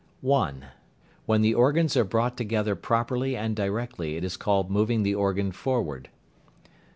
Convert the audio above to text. (1). When the organs are brought together properly and directly it is called "moving the organ forward."